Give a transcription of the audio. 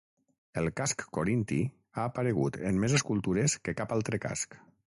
El casc corinti ha aparegut en més escultures que cap altre casc.